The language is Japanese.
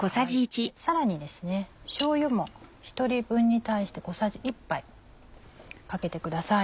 さらにしょうゆも１人分に対して小さじ１杯かけてください。